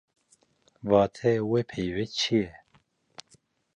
Wateya wê peyvê çi ye?